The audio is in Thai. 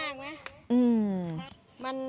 เบามากไหม